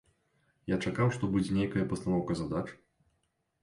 Я чакаў, што будзе нейкая пастаноўка задач.